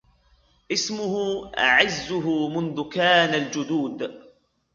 إسمه عـزّه منذ كان الجدود